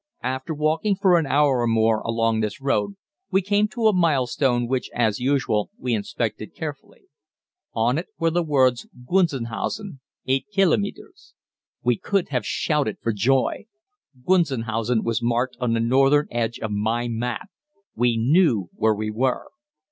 After walking for an hour or more along this road we came to a milestone which, as usual, we inspected carefully. On it were the words: Gunzenhausen, 8 Kilometres. We could have shouted for joy. Gunzenhausen was marked on the northern edge of my map. We knew where we were.